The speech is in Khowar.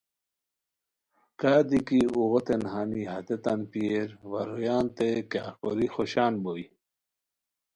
کادی کی اوغوتین ہانی ہتیتان پیئیر وا رویانتین کیاغ کوری خوشان بوئے